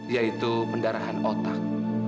yaitu pendarahan otak